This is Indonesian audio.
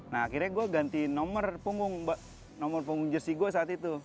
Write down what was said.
nah akhirnya gue ganti nomor punggung jersi gue saat itu